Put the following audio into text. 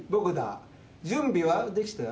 準備はできた？